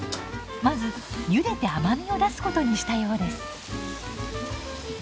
まずゆでて甘みを出すことにしたようです。